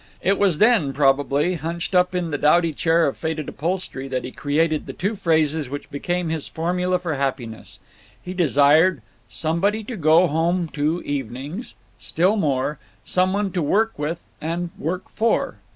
It was then, probably, hunched up in the dowdy chair of faded upholstery, that he created the two phrases which became his formula for happiness. He desired "somebody to go home to evenings"; still more, "some one to work with and work for."